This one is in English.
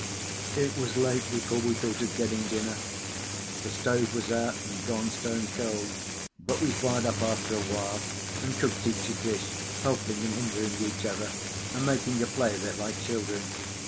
It was late before we thought of getting dinner. The stove was out, and gone stone cold; but we fired up after a while, and cooked each a dish, helping and hindering each other, and making a play of it like children.